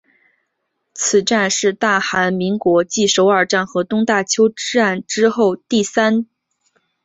此站是大韩民国继首尔站和东大邱站之后第三多使用人数的车站。